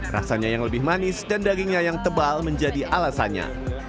rasanya yang lebih manis dan dagingnya yang tebal menjadi alasannya